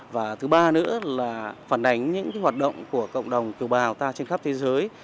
và thứ ba nữa là phản ánh những hoạt động của cộng đồng kiều bào ta trên khắp thế giới